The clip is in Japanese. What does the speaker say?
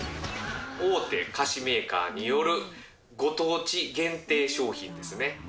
大手菓子メーカーによるご当地限定商品ですね。